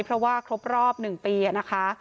เพราะว่าครบรอบ๑ปีนะคะ